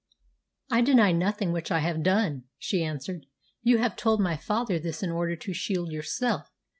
"I deny nothing which I have done," she answered. "You have told my father this in order to shield yourself.